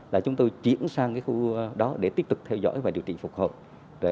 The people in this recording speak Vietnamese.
là chúng tôi chuyển sang cái khu đó để tiếp tục theo dõi và điều trị phục hợp